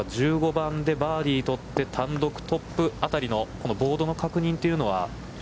１５番でバーディーを取って単独トップ辺りの、このボードの確認というのは？